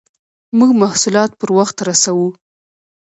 موږ محصولات پر وخت رسوو.